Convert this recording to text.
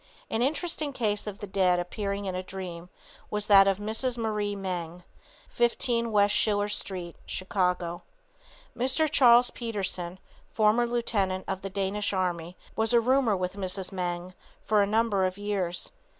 An interesting case of the dead appearing in a dream was as that of Mrs. Marie Menge, 15 West Schiller street, Chicago. Mr. Charles Peterson, former lieutenant of the Danish army, was a roomer with Mrs. Menge for a number of years.